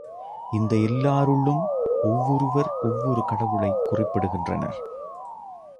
இந்த எல்லாருள்ளும் ஒவ்வொருவர் ஒவ்வொரு கடவுளைக்குறிப்பிடுகின்றனர்.